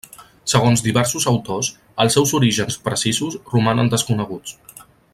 Segons diversos autors, els seus orígens precisos romanen desconeguts.